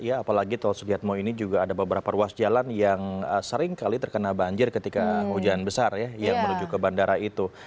apalagi tol sudiatmo ini juga ada beberapa ruas jalan yang seringkali terkena banjir ketika hujan besar ya yang menuju ke bandara itu